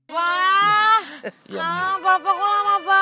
pak bapak kok lama banget sih pak